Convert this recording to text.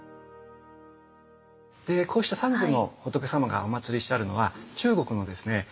こうした三世の仏様がおまつりしてあるのは中国のですね